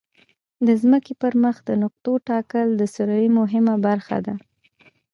د ځمکې پر مخ د نقطو ټاکل د سروې مهمه برخه ده